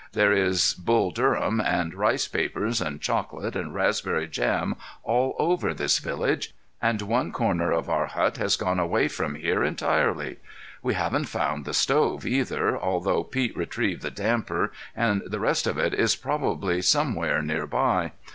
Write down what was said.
There is Bull Durham and rice papers and chocolate and raspberry jam all over this village, and one corner of our hut has gone away from here entirely. We haven't found the stove, either, although Pete retrieved the damper, and the rest of it is probably somewhere near by.